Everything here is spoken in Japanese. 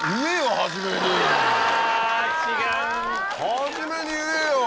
はじめに言えよ！